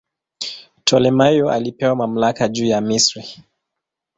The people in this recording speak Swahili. Ptolemaio alipewa mamlaka juu ya Misri.